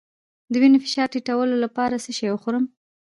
د وینې فشار ټیټولو لپاره څه شی وخورم؟